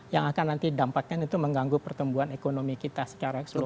yang akan nanti dampakkan itu mengganggu pertumbuhan ekonomi kita secara seluruh hal